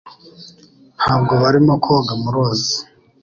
Ntabwo barimo koga mu ruzi